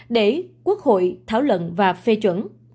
để quốc hội thảo luận và phê chuẩn